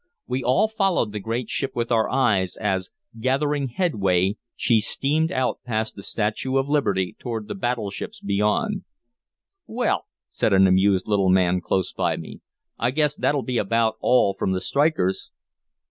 We all followed the great ship with our eyes as, gathering headway, she steamed out past the Statue of Liberty toward the battleships beyond. "Well," said an amused little man close by me, "I guess that'll be about all from the strikers."